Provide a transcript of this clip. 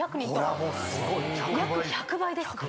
約１００倍ですね。